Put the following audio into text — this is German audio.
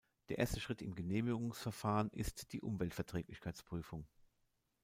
Der erste Schritt im Genehmigungsverfahren ist die Umweltverträglichkeitsprüfung.